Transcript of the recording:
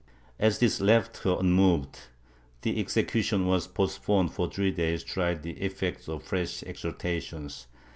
As this left her unmoved the execution was postponed for three days to try the effect of fresh exhortations.